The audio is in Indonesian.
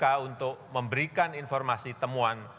dan juga untuk memberikan informasi temuan